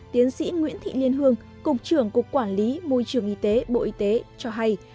tiến sĩ nguyễn thị liên hương cục trưởng cục quản lý môi trường y tế bộ y tế cho hay